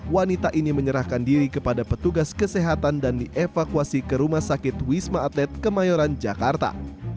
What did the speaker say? wanita ini menyerahkan diri kepada petugas kesehatan dan dievakuasi ke rumah sakit wisma atlet kemayoran jakarta